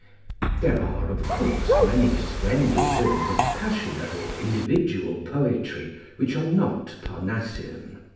There are, of course, many splendid forms of pas sionate or individual poetry which are not Parnassian.